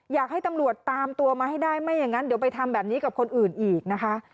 อยากให้ตำรวจตามตัวมาให้ได้ไม่อย่างนั้นเดี๋ยวไปทำแบบนี้กับคนอื่นอีกนะคะ